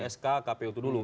sk kpu itu dulu